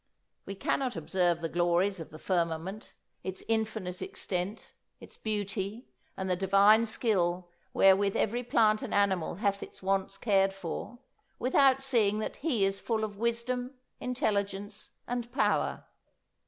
We cannot observe the glories of the firmament, its infinite extent, its beauty, and the Divine skill wherewith every plant and animal hath its wants cared for, without seeing that He is full of wisdom, intelligence, and power.